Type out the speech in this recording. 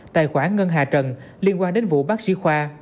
tài khoản ngân hà trần liên quan đến vụ bác sĩ khoa